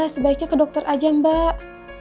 sebaiknya ke dokter aja mbak